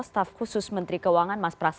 staff khusus menteri keuangan mas prastowo